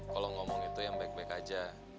kalau ngomong itu yang baik baik aja